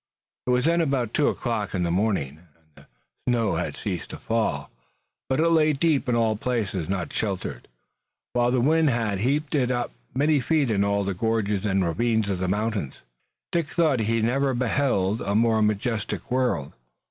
It was then about two o'clock in the morning, and the snow had ceased to fall, but it lay deep in all places not sheltered, while the wind had heaped it up many feet in all the gorges and ravines of the mountains. Dick thought he had never beheld a more majestic world.